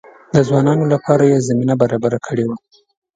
د ځوانانو لپاره یې زمینه برابره کړې وه.